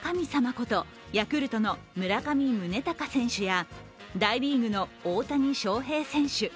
ことヤクルトの村上宗隆選手や大リーグの大谷翔平選手